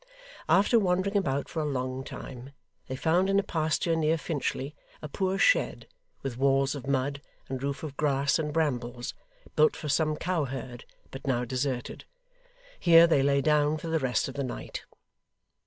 After wandering about for a long time, they found in a pasture near Finchley a poor shed, with walls of mud, and roof of grass and brambles, built for some cowherd, but now deserted. Here, they lay down for the rest of the night.